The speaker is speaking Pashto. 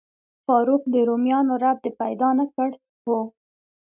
فاروق، د روميانو رب دې پیدا نه کړ؟ هو.